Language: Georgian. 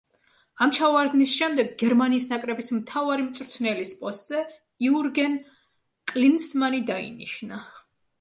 ამ ჩავარდნის შემდეგ გერმანიის ნაკრების მთავარი მწვრთნელის პოსტზე იურგენ კლინსმანი დაინიშნა.